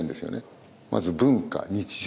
まず文化日常